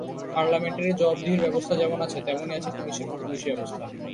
Parliamentary জবাবদিহির ব্যবস্থা যেমন আছে, তেমনি আছে পুলিশের ওপর পুলিশি ব্যবস্থা।